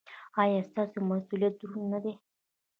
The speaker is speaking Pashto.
ایا ستاسو مسؤلیت دروند نه دی؟